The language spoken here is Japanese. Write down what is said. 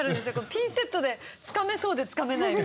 ピンセットでつかめそうでつかめないみたいな。